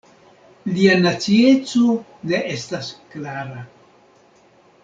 Lia nacieco ne estas klara.